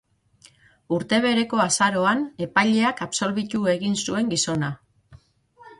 Urte bereko azaroan, epaileak absolbitu egin zuen gizona.